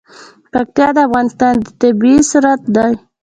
پکتیا د افغانستان طبعي ثروت دی.